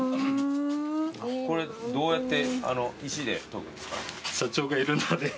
これどうやって石で研ぐんですか？